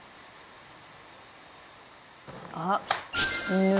あっ！